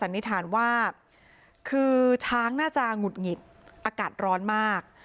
นิษฐานว่าคือช้างน่าจะหงุดหงิดอากาศร้อนมาก